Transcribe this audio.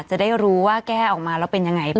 จะได้รู้ว่าแก้ออกมาแล้วเป็นยังไง